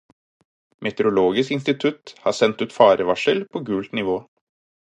Meteorologisk institutt har sendt ut farevarsel på gult nivå.